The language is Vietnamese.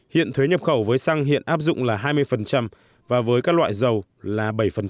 hiện thuế nhập khẩu với xăng hiện áp dụng là hai mươi và với các loại dầu là bảy